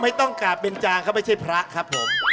ไม่ต้องกราบเป็นจางว่ายังครับ